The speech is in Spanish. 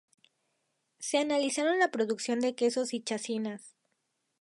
se analizaron la producción de quesos y chacinas